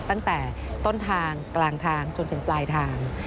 ตั้งแต่ต้นทางกลางทางจนถึงปลายทาง